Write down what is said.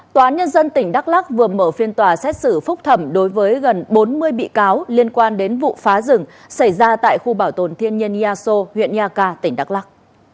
tòa án nhân dân tỉnh đắk lắc vừa mở phiên tòa xét xử phúc thẩm đối với gần bốn mươi bị cáo liên quan đến vụ phá rừng xảy ra tại khu bảo tồn thiên nhiên eso huyện nha ca tỉnh đắk lắc